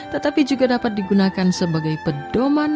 tetapi juga dapat digunakan sebagai pedoman